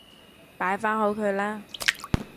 擺返好佢啦